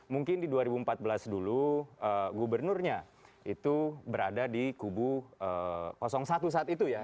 mungkin di dua ribu empat belas dulu gubernurnya itu berada di kubu satu saat itu ya